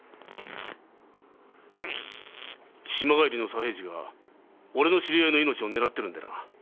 島帰りの左平次が俺の知り合いの命を狙ってるんでな。